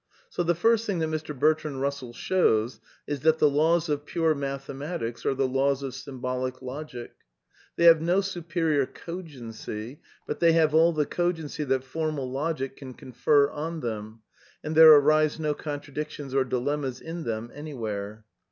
So the first thing that Mr. Bertrand Bussell shows is that the laws of pure mathematics are the laws of Symbolic Logic They have no superior cogency, but they have all the cogency that Formal Logic can confer on them, and there arise no contradictions or dilemmas in them any where.